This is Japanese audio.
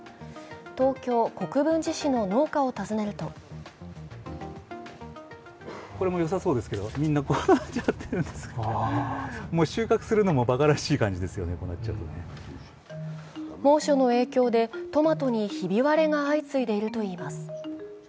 東京・国分寺市の農家を訪ねると猛暑の影響でトマトにひび割れが相次いでいるといいます。